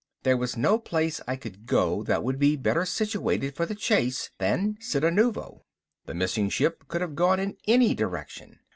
There was no place I could go that would be better situated for the chase than Cittanuvo. The missing ship could have gone in any direction.